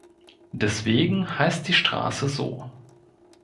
Deswegen heißt die Straße so.